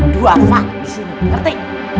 dua fah disini ngerti